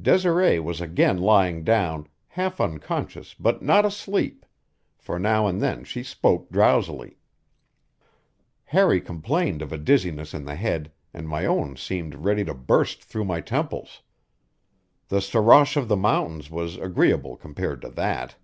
Desiree was again lying down, half unconscious but not asleep, for now and then she spoke drowsily. Harry complained of a dizziness in the head, and my own seemed ready to burst through my temples. The soroche of the mountains was agreeable compared to that.